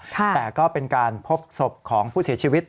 แต่ก็เป็นการพบศพของผู้เสียชีวิต